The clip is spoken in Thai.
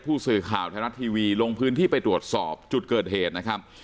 ผู้สื่อข่าวไทยรัฐทีวีลงพื้นที่ไปตรวจสอบจุดเกิดเหตุนะครับ